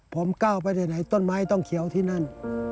ผมเก้าไปหันไหนต้องเกี่ยวที่นั้น